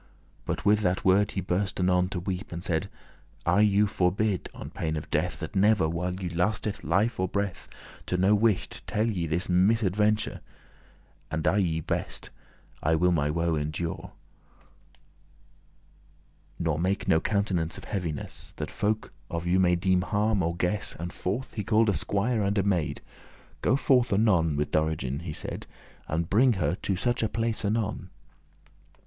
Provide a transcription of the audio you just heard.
But with that word he burst anon to weep, And said; "I you forbid, on pain of death, That never, while you lasteth life or breath, To no wight tell ye this misaventure; As I may best, I will my woe endure, Nor make no countenance of heaviness, That folk of you may deeme harm, or guess." And forth he call'd a squier and a maid. "Go forth anon with Dorigen," he said, "And bringe her to such a place anon."